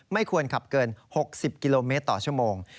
ไม่ควรขับเกิน๖๐กิโลเมตรต่อชั่วโมง